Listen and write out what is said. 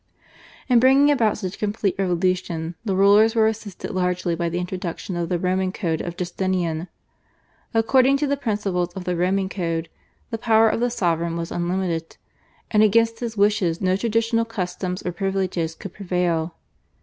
In bringing about such a complete revolution the rulers were assisted largely by the introduction of the Roman Code of Justinian. According to the principles of the Roman Code the power of the sovereign was unlimited, and against his wishes no traditional customs or privileges could prevail.